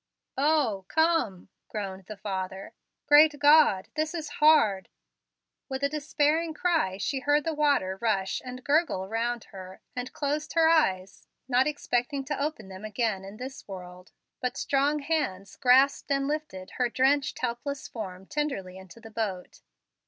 "Oh! come!" groaned the father. "Great God! this is hard." With a despairing cry she heard the water rush and gurgle around her, and closed her eyes, not expecting to open them again in this world. But strong hands grasped and lifted her drenched, helpless form tenderly into the boat.